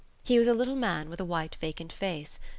He was a little man, with a white vacant face.